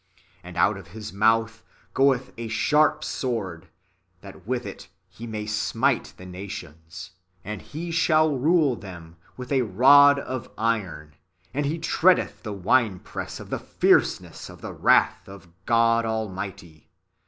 And out of His mouth goeth a sharp sword, that with it He may smite the nations ; and He shall rule (pascet) them with a rod of iron :. and He treadeth the Avine press of the fierceness of the wrath of God Almighty.